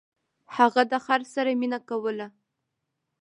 هغه د خر سره مینه کوله.